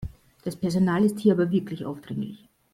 Das Personal ist hier aber wirklich aufdringlich.